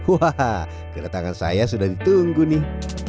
wahaha keretangan saya sudah ditunggu nih